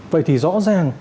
vậy thì rõ ràng